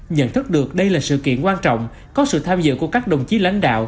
nhận thức được đây là sự kiện quan trọng có sự tham dự của các đồng chí lãnh đạo